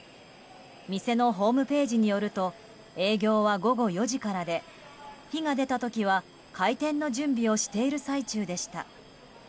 店のホームページによると営業は午後４時からで火が出た時は開店の準備をしている最中でした。